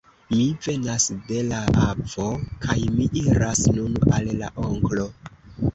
Mi venas de la avo; kaj mi iras nun al la onklo.